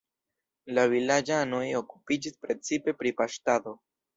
La vilaĝanoj okupiĝis precipe pri paŝtado.